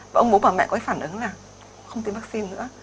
và ông bố bà mẹ có cái phản ứng là không tiêm vaccine nữa